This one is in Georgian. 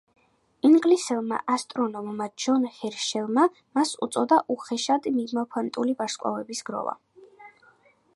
ინგლისელმა ასტრონომმა ჯონ ჰერშელმა მას უწოდა „უხეშად მიმოფანტული ვარსკვლავების გროვა“.